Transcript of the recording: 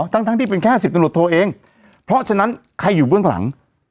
ทั้งที่เป็นแค่๑๐ตำรวจโทเองเพราะฉะนั้นใครอยู่เบื้องหลัง